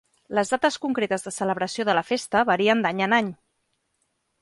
Les dates concretes de celebració de la festa varien d'any en any.